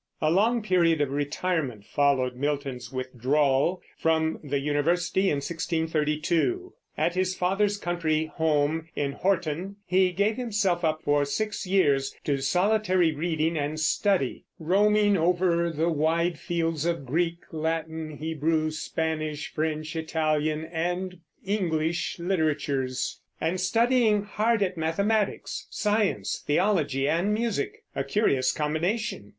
A long period of retirement followed Milton's withdrawal from the university in 1632. At his father's country home in Horton he gave himself up for six years to solitary reading and study, roaming over the wide fields of Greek, Latin, Hebrew, Spanish, French, Italian, and English literatures, and studying hard at mathematics, science, theology, and music, a curious combination.